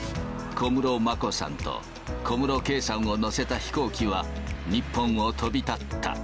小室眞子さんと小室圭さんを乗せた飛行機は、日本を飛び立った。